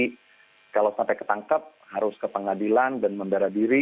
jadi kalau sampai ketangkep harus ke pengadilan dan membela diri